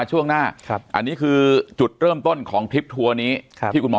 สวัสดีครับทุกผู้ชม